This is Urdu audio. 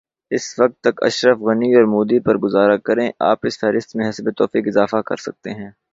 اس وقت تک اشرف غنی اورمودی پر گزارا کریں آپ اس فہرست میں حسب توفیق اضافہ کرسکتے ہیں۔